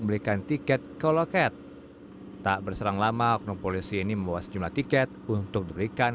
belikan tiket ke loket tak berserang lama oknum polisi ini membawa sejumlah tiket untuk diberikan